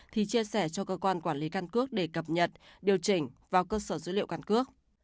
thì chia sẻ cho cơ quan quản lý căn cước để cập nhật điều chỉnh vào cơ sở dữ liệu căn cước